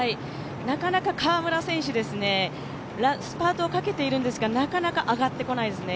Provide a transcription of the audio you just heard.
川村選手、スパートをかけているんですがなかなか上がってこないですね。